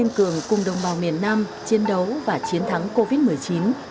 yên cường cùng đồng bào miền nam chiến đấu và chiến thắng covid một mươi chín